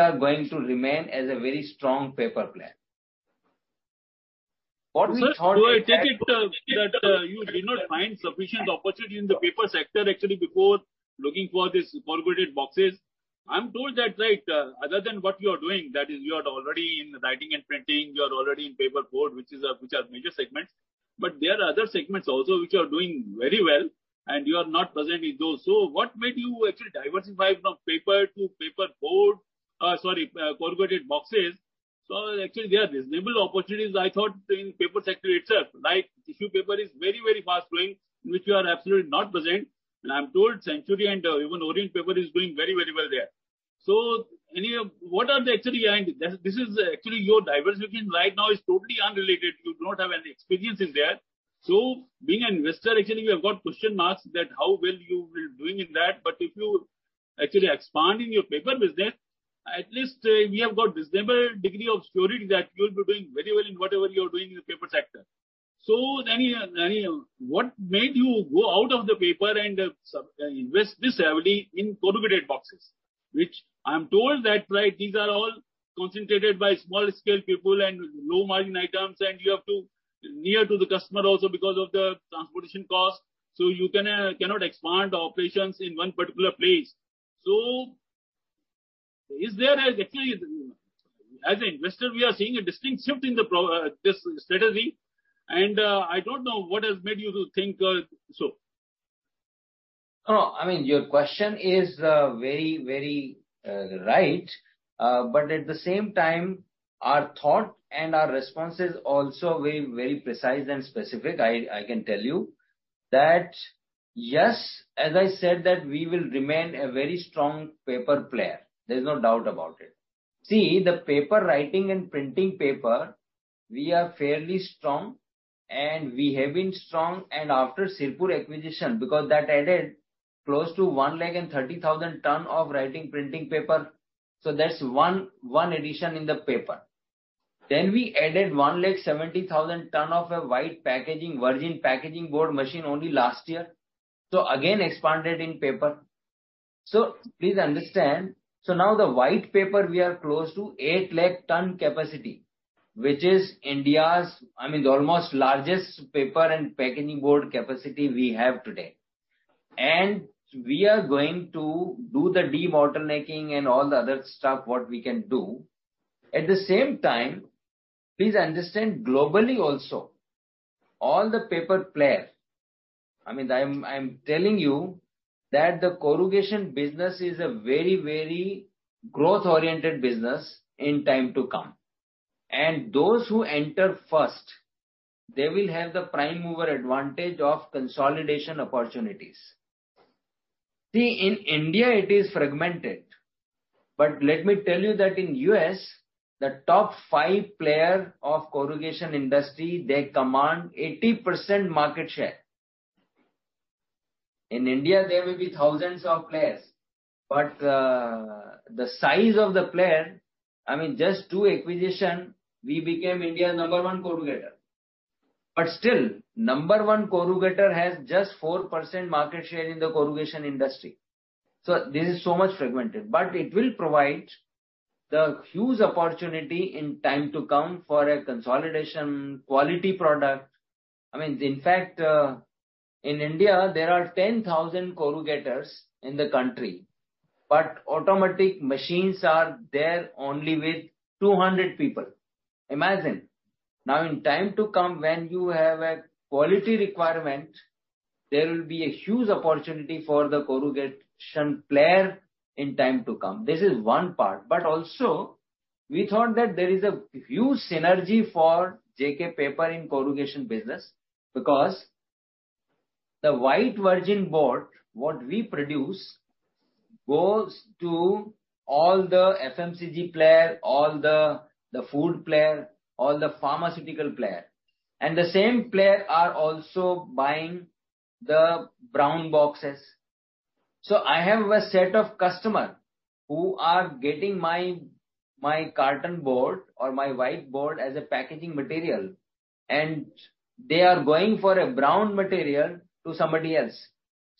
are going to remain as a very strong paper player. What we thought. Sir, do I take it that you did not find sufficient opportunity in the paper sector actually before looking for these corrugated boxes? I'm told that other than what you are doing, that is you are already in writing and printing, you are already in paper board, which are major segments, but there are other segments also which are doing very well and you are not present in those. What made you actually diversify from paper to corrugated boxes. Actually, there are reasonable opportunities I thought in paper sector itself, like tissue paper is very, very fast growing, in which you are absolutely not present. I'm told Century and even Orient Paper is doing very, very well there. Anyhow, this is actually your diversification right now is totally unrelated. You do not have any experience in there. Being an investor, actually, we have got question marks that how well you will doing in that. If you actually expand in your paper business, at least we have got reasonable degree of surety that you'll be doing very well in whatever you're doing in the paper sector. Anyhow, what made you go out of the paper and sub- invest this heavily in corrugated boxes? Which I'm told that, right, these are all concentrated by small scale people and low margin items, and you have to near to the customer also because of the transportation cost, so you can cannot expand operations in one particular place. Is there? Actually, as an investor, we are seeing a distinct shift in this strategy. I don't know what has made you to think so. No, I mean, your question is very, very right. At the same time, our thought and our response is also very, very precise and specific. I can tell you that, yes, as I said that we will remain a very strong paper player. There's no doubt about it. See, the paper writing and printing paper, we are fairly strong and we have been strong. After Sirpur acquisition, because that added close to 1 lakh 30,000 ton of writing printing paper. That's one addition in the paper. We added 1 lakh 70,000 ton of a white packaging, virgin packaging board machine only last year. Again expanded in paper. Please understand. Now the white paper we are close to 8 lakh ton capacity, which is India's, I mean, almost largest paper and packaging board capacity we have today. We are going to do the debottlenecking and all the other stuff what we can do. At the same time, please understand globally also, all the paper player. I mean, I'm telling you that the corrugation business is a very, very growth-oriented business in time to come. Those who enter first, they will have the prime mover advantage of consolidation opportunities. See, in India, it is fragmented. Let me tell you that in U.S., the top 5 player of corrugation industry, they command 80% market share. In India, there will be thousands of players. The size of the player, I mean, just 2 acquisition, we became India's number 1 corrugator. Still, number one corrugator has just 4% market share in the corrugation industry. This is so much fragmented, but it will provide the huge opportunity in time to come for a consolidation quality product. I mean, in fact, in India, there are 10,000 corrugators in the country, but automatic machines are there only with 200 people. Imagine. In time to come, when you have a quality requirement, there will be a huge opportunity for the corrugation player in time to come. This is one part. Also we thought that there is a huge synergy for JK Paper in corrugation business because the white virgin board, what we produce, goes to all the FMCG player, all the food player, all the pharmaceutical player. The same player are also buying the brown boxes. I have a set of customer who are getting my carton board or my white board as a packaging material, they are going for a brown material to somebody else.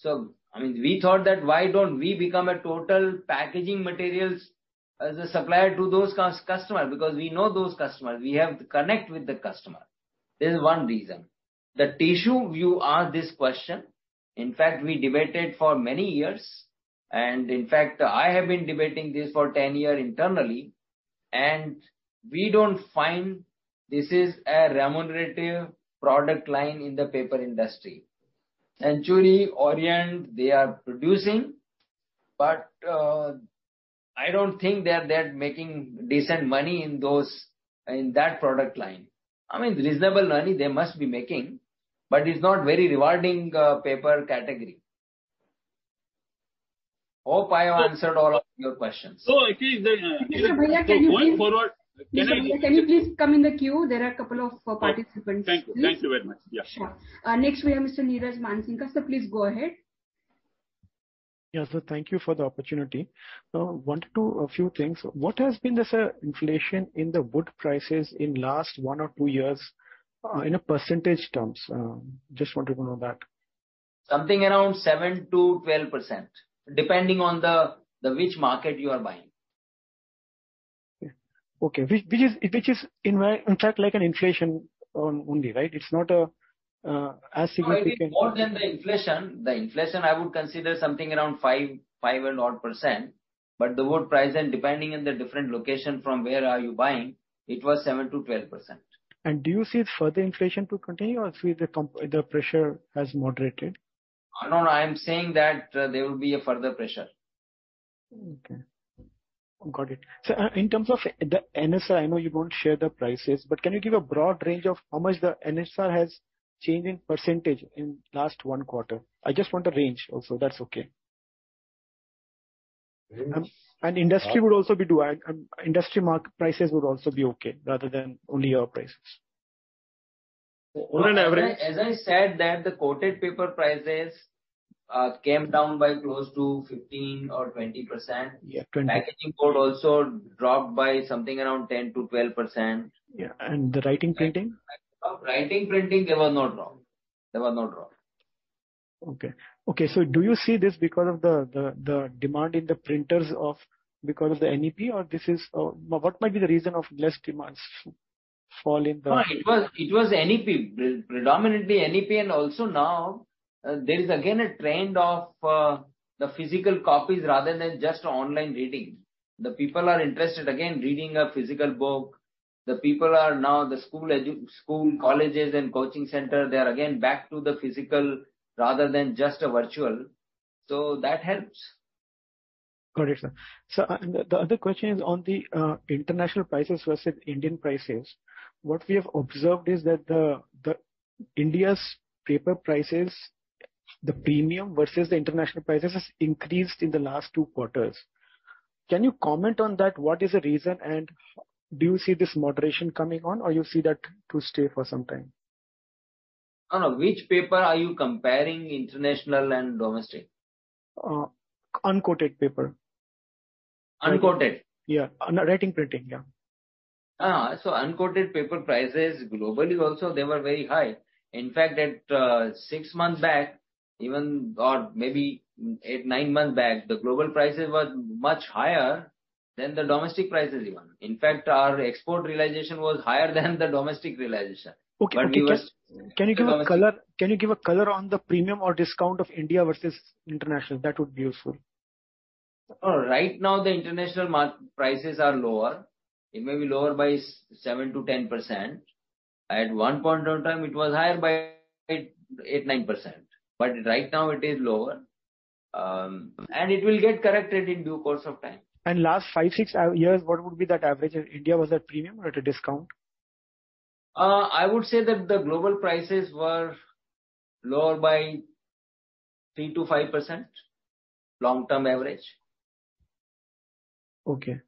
I mean, we thought that why don't we become a total packaging materials as a supplier to those customer? We know those customers. We have the connect with the customer. This is one reason. The tissue, you asked this question. In fact, we debated for many years, in fact, I have been debating this for 10 year internally, we don't find this is a remunerative product line in the paper industry. Century Orient, they are producing, I don't think they're making decent money in those, in that product line. I mean, reasonable money they must be making, it's not very rewarding paper category. Hope I have answered all of your questions. No, I see the- Mr. Bhaiya, can you please. ...going forward. Mr. Bhaya, can you please come in the queue? There are a couple of participants. Thank you. Thank you very much. Yeah. Sure. Next we have Mr. Niraj Mansingka. Sir, please go ahead. Yes, sir. Thank you for the opportunity. wanted to, a few things. What has been the inflation in the wood prices in last 1 or 2 years, in a percentage terms? just wanted to know that. Something around 7%-12%, depending on the which market you are buying. Okay. Which, which is in way, in fact like an inflation, only, right? It's not a. Probably more than the inflation. The inflation I would consider something around 5 and odd %. The wood price and depending on the different location from where are you buying, it was 7%-12%. Do you see further inflation to continue, or see the pressure has moderated? No, no. I am saying that there will be a further pressure. Okay. Got it. In terms of the NSR, I know you won't share the prices, but can you give a broad range of how much the NSR has changed in % in last one quarter? I just want a range also, that's okay. Range? Industry market prices would also be okay, rather than only your prices. On an average. As I said that the coated paper prices, came down by close to 15% or 20%. Yeah, 20. Packaging board also dropped by something around 10%-12%. Yeah. The writing printing? Writing printing, they were not wrong. They were not wrong. Okay, do you see this because of the demand in the printers of, because of the NEP? Or this is, what might be the reason of less demands fall in the? It was NEP. Predominantly NEP and also now, there is again a trend of the physical copies rather than just online reading. The people are interested again reading a physical book. The people are now, the school, colleges and coaching center, they are again back to the physical rather than just a virtual. That helps. Got it, sir. The other question is on the international prices versus Indian prices. What we have observed is that India's paper prices, the premium versus the international prices has increased in the last two quarters. Can you comment on that? What is the reason? Do you see this moderation coming on or you see that to stay for some time? No, no. Which paper are you comparing international and domestic? Uncoated paper. Uncoated? Yeah. Writing printing, yeah. Uncoated paper prices globally also they were very high. In fact at, six months back even, or maybe eight, nine months back, the global prices were much higher than the domestic prices even. In fact, our export realization was higher than the domestic realization. Okay, okay. It was- Can you give a color on the premium or discount of India versus international? That would be useful. Right now the international prices are lower. It may be lower by 7%-10%. At one point of time it was higher by 8%, 9%. Right now it is lower. It will get corrected in due course of time. Last five, six years, what would be that average? India was at premium or at a discount? I would say that the global prices were lower by 3%-5%, long-term average. Okay.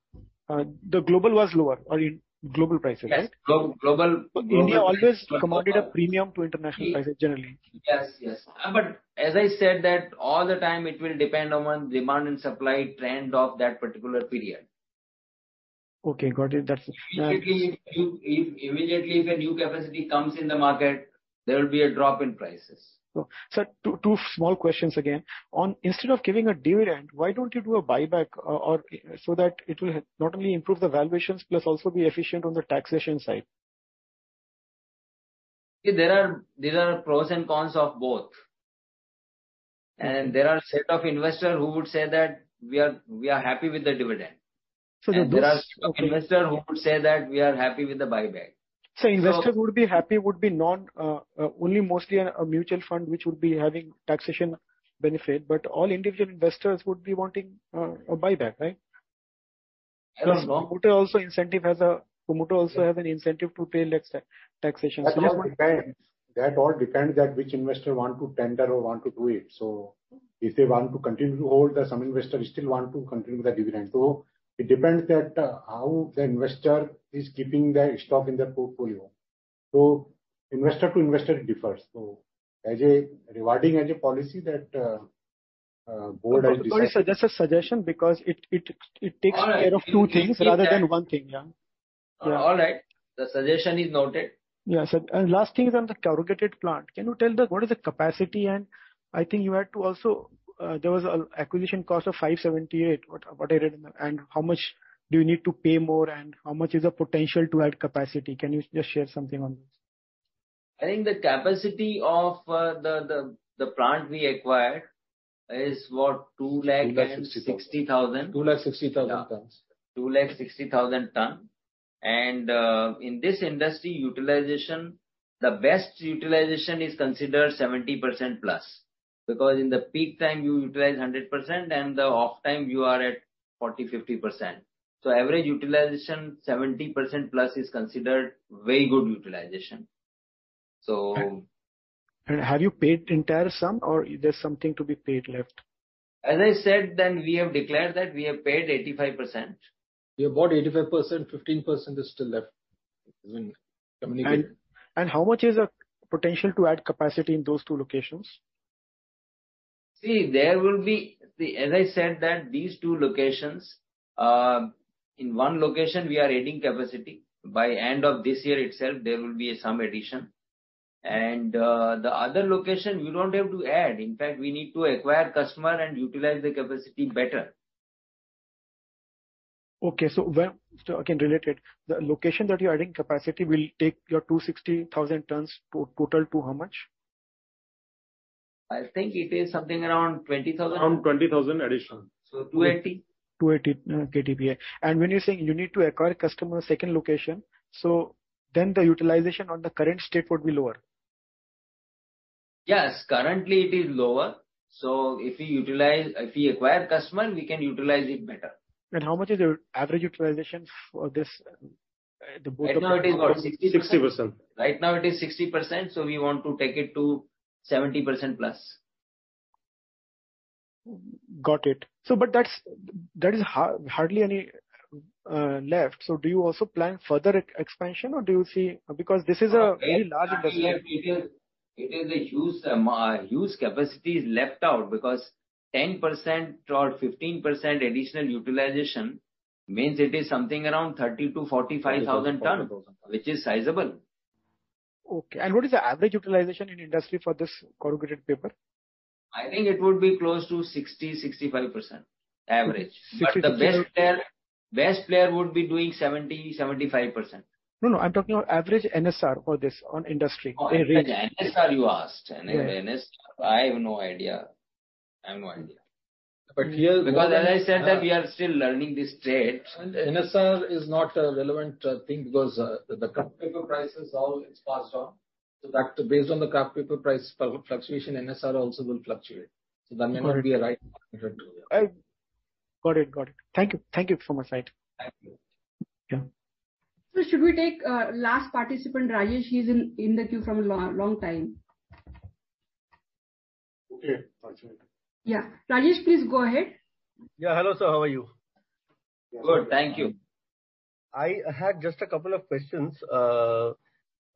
The global was lower or global prices, right? Yes. India always commanded a premium to international prices generally. Yes, yes. As I said that all the time it will depend on demand and supply trend of that particular period. Okay, got it. That's it. Immediately if immediately if a new capacity comes in the market, there will be a drop in prices. Sir, two small questions again. On instead of giving a dividend, why don't you do a buyback, or so that it will not only improve the valuations plus also be efficient on the taxation side? There are pros and cons of both. There are set of investors who would say that we are happy with the dividend. There are investors who would say that we are happy with the buyback. Investors would be happy, would be non, only mostly a mutual fund which would be having taxation benefit, but all individual investors would be wanting, a buyback, right? I don't know. Promoter also have an incentive to pay less taxation. That all depends. That all depends that which investor want to tender or want to do it. If they want to continue to hold, some investors still want to continue the dividend. It depends that how the investor is keeping the stock in their portfolio. Investor to investor it differs. As a rewarding as a policy that board has decided. Sorry, that's a suggestion because it takes care of two things rather than one thing. Yeah. All right. The suggestion is noted. Yeah. Last thing is on the corrugated plant. Can you tell what is the capacity and I think you had to also, there was a acquisition cost of 578. What I read in the... How much do you need to pay more and how much is the potential to add capacity? Can you just share something on this? I think the capacity of the plant we acquired is what, 260,000? 2.60 lakh. Yeah. 260,000 tons. In this industry, utilization, the best utilization is considered 70% plus. Because in the peak time you utilize 100% and the off time you are at 40%, 50%. Average utilization, 70% plus is considered very good utilization. Have you paid entire sum or there's something to be paid left? As I said, we have declared that we have paid 85%. You have bought 85%, 15% is still left. Isn't it? How much is the potential to add capacity in those two locations? See, as I said that these two locations, in one location we are adding capacity. By end of this year itself, there will be some addition. The other location we don't have to add. In fact, we need to acquire customer and utilize the capacity better. Okay. Again related. The location that you're adding capacity will take your 260,000 tons to total to how much? I think it is something around 20,000. Around 20,000 additional. 280. 280 KTPA. When you're saying you need to acquire customer second location, so then the utilization on the current state would be lower. Yes, currently it is lower. If we acquire customer, we can utilize it better. How much is your average utilization for this, the both of them combined? Right now it is about 60%. 60%. Right now it is 60%, so we want to take it to 70%+. Got it. But that's, that is hardly any left. Do you also plan further expansion or do you see? Because this is a very large investment. It is a huge, huge capacity is left out because 10% or 15% additional utilization means it is something around 30,000-45,000 ton-. 40,000. ...which is sizable. Okay. What is the average utilization in industry for this corrugated paper? I think it would be close to 60%-65% average. 60%, 65%. The best player would be doing 70%-75%. No, no, I'm talking about average NSR for this on industry average. Oh, NSR you asked. Yeah. I have no idea. I have no idea. But here- As I said that we are still learning this trade. NSR is not a relevant thing because the kraft paper price is all, it's passed on. Based on the kraft paper price fluctuation, NSR also will fluctuate. That may not be a right parameter to look at. Got it. Thank you from our side. Thank you. Yeah. Should we take, last participant, Rajesh? He's in the queue from a long time. Okay, 5 minutes. Yeah. Rajesh, please go ahead. Yeah. Hello, sir. How are you? Good, thank you. I had just a couple of questions.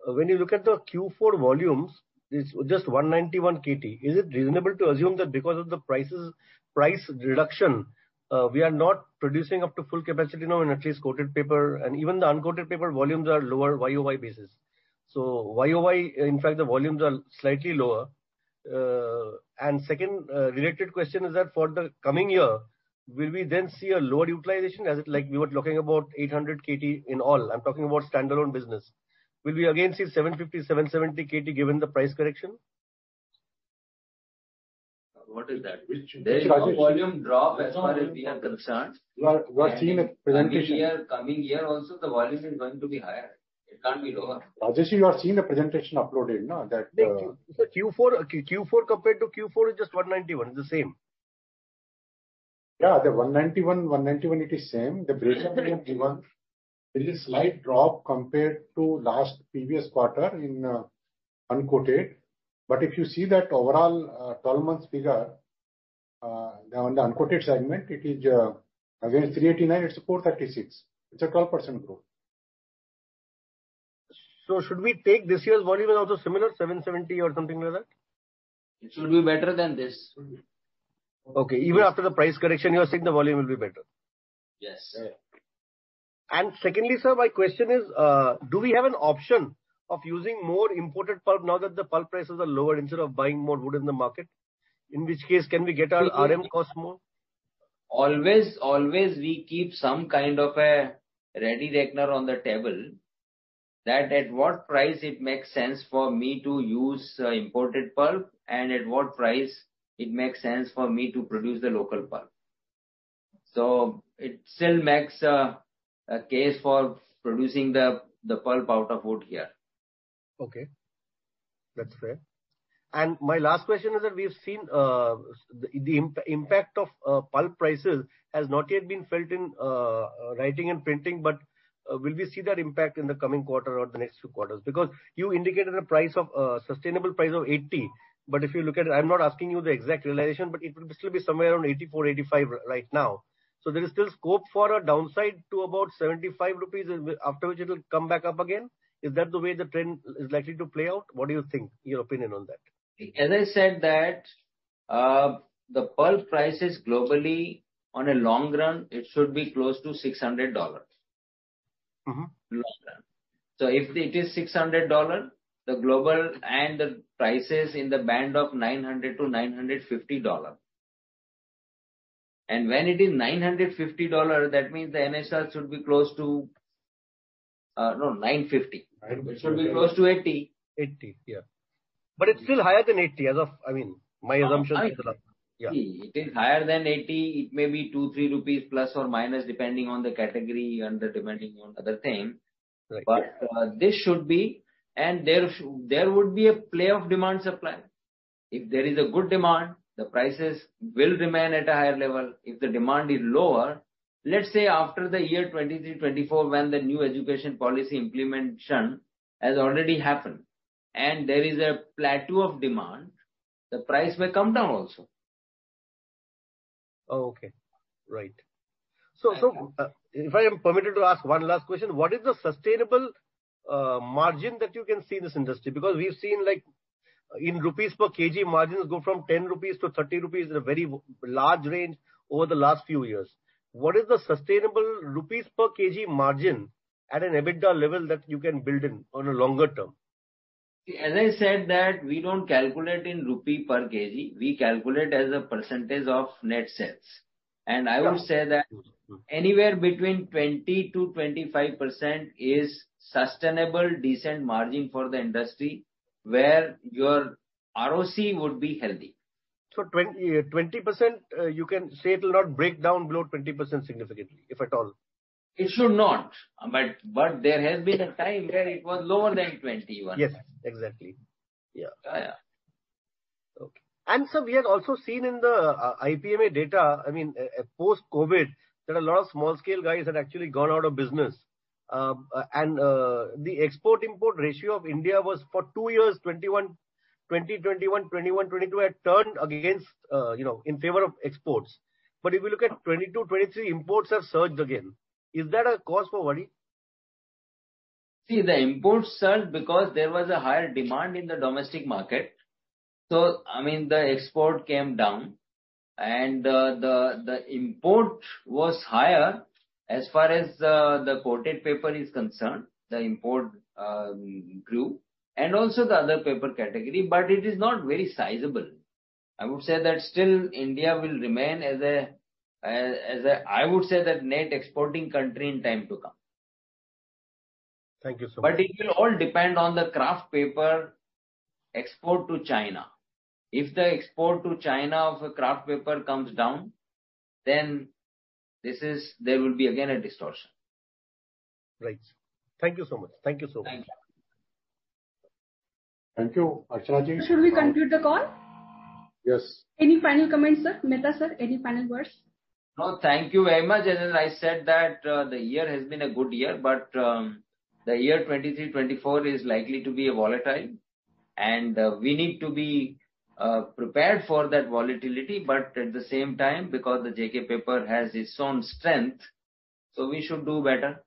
When you look at the Q4 volumes, it's just 191 KT. Is it reasonable to assume that because of the prices, price reduction, we are not producing up to full capacity now in at least coated paper and even the uncoated paper volumes are lower YOY basis? YOY, in fact, the volumes are slightly lower. Second, related question is that for the coming year, will we then see a lower utilization as it like we were talking about 800 KT in all? I'm talking about standalone business. Will we again see 750KT-770 KT given the price correction? What is that? Which- There is no volume drop as far as we are concerned. You are seeing a presentation. In the year, coming year also the volume is going to be higher. It can't be lower. Rajesh you are seeing a presentation uploaded, no? That. Thank you. Q4 compared to Q4 is just 191. It's the same. Yeah, the 191 it is same. The breakdown that we have given, there is a slight drop compared to last previous quarter in uncoated. If you see that overall, 12 months figure, now on the uncoated segment, it is again, 389, it's 436. It's a 12% growth. Should we take this year's volume is also similar, 770 or something like that? It should be better than this. Okay. Even after the price correction, you are saying the volume will be better. Yes. Yeah. Secondly, sir, my question is, do we have an option of using more imported pulp now that the pulp prices are lower instead of buying more wood in the market? In which case, can we get our RM costs more? Always we keep some kind of a ready reckoner on the table that at what price it makes sense for me to use imported pulp and at what price it makes sense for me to produce the local pulp. It still makes a case for producing the pulp out of wood here. Okay. That's fair. My last question is that we've seen the impact of pulp prices has not yet been felt in writing and printing, will we see that impact in the coming quarter or the next two quarters? You indicated sustainable price of 80, if you look at it, I'm not asking you the exact realization, it will still be somewhere around 84, 85 right now. There is still scope for a downside to about 75 rupees after which it will come back up again. Is that the way the trend is likely to play out? What do you think? Your opinion on that. As I said that, the pulp prices globally on a long run, it should be close to $600. Mm-hmm. Long run. If it is $600, the global and the prices in the band of $900-$950. When it is $950, that means the NSR should be close to $950. It should be close to 80. 80, yeah. It's still higher than 80 as of... I mean, my assumption is that, yeah. It is higher than 80. It may be 2, 3 rupees plus or minus depending on the category and the depending on other thing. Right. This should be. There would be a play of demand, supply. If there is a good demand, the prices will remain at a higher level. If the demand is lower, let's say after the year 2023, 2024, when the new education policy implementation has already happened and there is a plateau of demand, the price may come down also. Oh, okay. Right. Yeah. If I am permitted to ask one last question, what is the sustainable margin that you can see in this industry? Because we've seen, like in rupees per kg, margins go from 10 rupees to 30 rupees at a very large range over the last few years. What is the sustainable rupees per kg margin at an EBITDA level that you can build in on a longer term? As I said that we don't calculate in rupee per kg, we calculate as a % of net sales. Yeah. I would say that anywhere between 20% to 25% is sustainable, decent margin for the industry where your ROC would be healthy. 20%, you can say it will not break down below 20% significantly, if at all. It should not. There has been a time where it was lower than 20 once. Yes, exactly. Yeah. Yeah, yeah. Okay. Sir, we have also seen in the IPMA data, I mean, post-COVID, that a lot of small-scale guys had actually gone out of business. The export-import ratio of India was for two years, 2021--2021, 2022, had turned against, you know, in favor of exports. If you look at 2022, 2023, imports have surged again. Is that a cause for worry? The imports surged because there was a higher demand in the domestic market. I mean, the export came down and the import was higher. As far as the coated paper is concerned, the import grew and also the other paper category, but it is not very sizable. I would say that still India will remain as a, I would say that net exporting country in time to come. Thank you, sir. It will all depend on the kraft paper export to China. If the export to China of a kraft paper comes down, there will be again a distortion. Right. Thank you so much. Thank you so much. Thank you. Thank you. Archana Ji. Should we conclude the call? Yes. Any final comments, Sir? Mehta, Sir, any final words? No, thank you very much. As I said that, the year has been a good year, but the year 2023-2024 is likely to be volatile and we need to be prepared for that volatility. At the same time, because JK Paper has its own strength, so we should do better.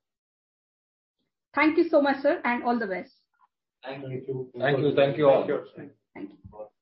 Thank you so much, sir, and all the best. Thank you. Thank you. Thank you all. Thank you.